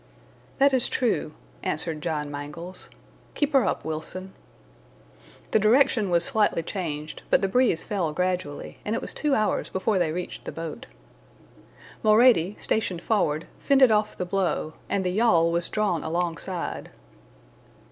"That is true," answered John Mangles. "Keep her up, Wilson." The direction was slightly changed, but the breeze fell gradually, and it was two hours before they reached the boat. Mulrady, stationed forward, fended off the blow, and the yawl was drawn alongside.